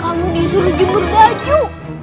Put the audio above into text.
kamu disuruh jemur baju